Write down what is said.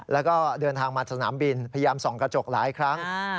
แล้วก็เดินทางมาสนามบินพยายามส่องกระจกหลายครั้ง